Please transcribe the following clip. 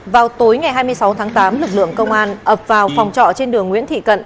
vào tối ngày hai mươi sáu tháng tám lực lượng công an ập vào phòng trọ trên đường nguyễn thị cận